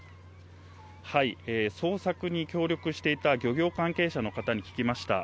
捜索に協力していた漁業関係者の方に聞きました。